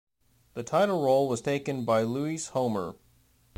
The title role was taken by Louise Homer.